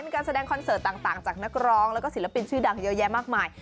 มีการแสดงคอนเสิร์ตต่างจากนักร้องแล้วก็ศิลปินชื่อดังเยอะแยะมากมาย